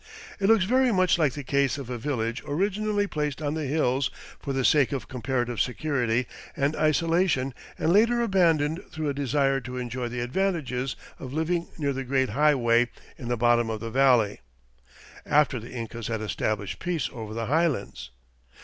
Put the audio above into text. It looks very much like the case of a village originally placed on the hills for the sake of comparative security and isolation and later abandoned through a desire to enjoy the advantages of living near the great highway in the bottom of the valley, after the Incas had established peace over the highlands.